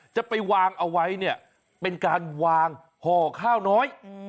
จะไปวางเอาไว้เนี่ยเป็นการวางห่อข้าวน้อย